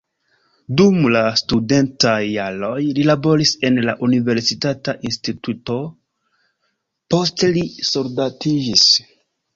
Dum la studentaj jaroj li laboris en la universitata instituto, poste li soldatiĝis.